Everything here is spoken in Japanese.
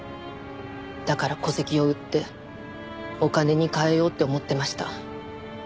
だから戸籍を売ってお金に換えようって思ってました。